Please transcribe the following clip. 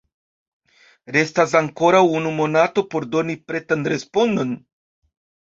Restas ankoraŭ unu monato por doni pretan respondon.